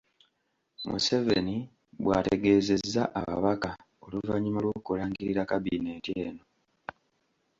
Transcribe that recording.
Museveni bw’ategeezezza ababaka oluvannyuma lw’okulangirira kabineeti eno.